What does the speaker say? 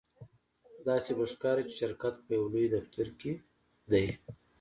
داسې به ښکاري چې شرکت په یو لوی دفتر کې دی